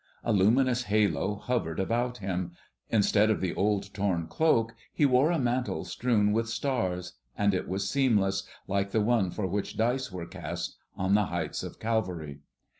A luminous halo hovered about him. Instead of the old torn cloak, he wore a mantle strewn with stars, and it was seamless, like the one for which dice were cast on the heights of Calvary.